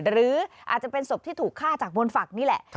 หรืออาจจะเป็นศพที่ถูกฆ่าจากบนฝักนี่แหละ